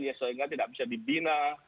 ya seolah olah tidak bisa dibina